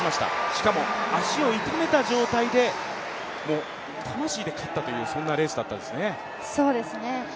しかも足を痛めた状態で魂で勝ったというそんなレースでしたね。